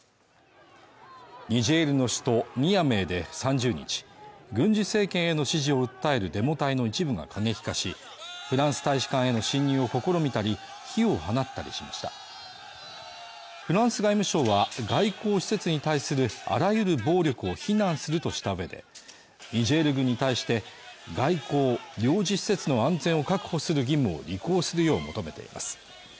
ニジェールの首都ニアメーで３０日軍事政権への支持を訴えるデモ隊の一部が過激化しフランス大使館への侵入を試みたり火を放ったりしましたフランス外務省は外交施設に対するあらゆる暴力を非難するとしたうえでニジェール軍に対して外交・領事施設の安全を確保する義務を履行するよう求めています